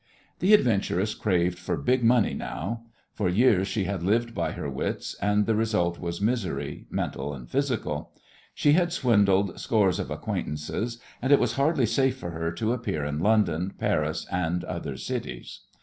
The adventuress craved for big money now. For years she had lived by her wits, and the result was misery, mental and physical. She had swindled scores of acquaintances, and it was hardly safe for her to appear in London, Paris and other cities.